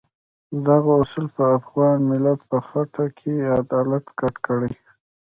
دغه اصول په افغان ملت په خټه کې عدالت ګډ کړی.